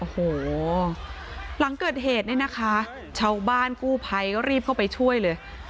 โอ้โหหลังเกิดเหตุเนี่ยนะคะชาวบ้านกู้ภัยก็รีบเข้าไปช่วยเลย